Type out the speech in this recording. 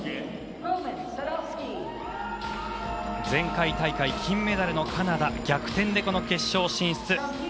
前回大会金メダルのカナダ逆転で決勝進出。